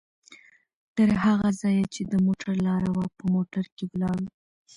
تر هغه ځایه چې د موټر لاره وه، په موټر کې ولاړو؛